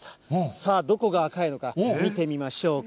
さあ、どこが赤いのか、見てみましょうか。